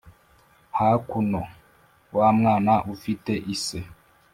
hakuno wamwana ufite ise